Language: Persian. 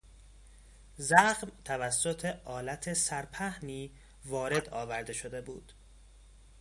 زخم توسط آلت سرپهنی وارد آورده شده بود.